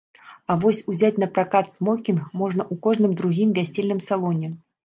А вось узяць напракат смокінг можна ў кожным другім вясельным салоне.